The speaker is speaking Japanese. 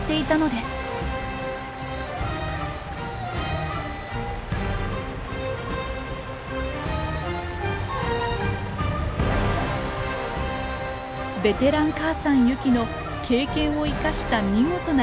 ベテラン母さんユキの経験を生かした見事な狩りです。